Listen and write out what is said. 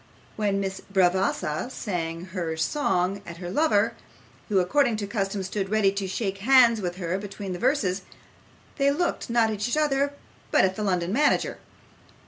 When Miss Bravassa sang her song at her lover, who according to custom stood ready to shake hands with her between the verses, they looked, not at each other, but at the London manager.